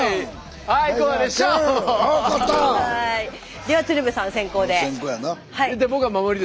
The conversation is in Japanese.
では鶴瓶さん先攻で。